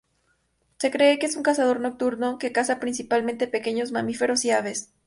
Se cree que es un cazador nocturno, que caza principalmente pequeños mamíferos y aves.